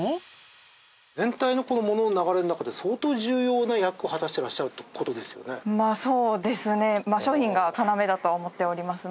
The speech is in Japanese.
全体の物の流れの中で相当重要な役を果たしていらっしゃるって事ですよね。